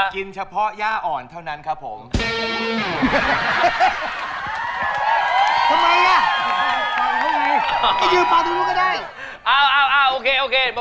กินเฉพาะย่าอ่อนเท่านั้นครับผม